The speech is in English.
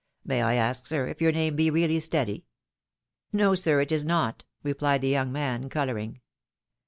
May I ask, sir, if your name be really Steady? "" No, sir, it is not," replied the young man, colouring.